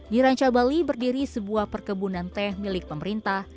di ranca bali berdiri sebuah perkebunan teh milik pemerintah